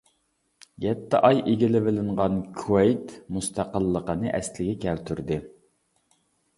يەتتە ئاي ئىگىلىۋېلىنغان كۇۋەيت مۇستەقىللىقىنى ئەسلىگە كەلتۈردى.